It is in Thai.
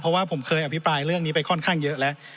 เพราะว่าผมเคยอภิปรายเรื่องนี้ไปค่อนข้างเยอะแล้ว